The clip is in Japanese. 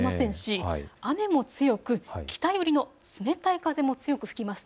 雨も強く北寄りの冷たい風も強く吹きます。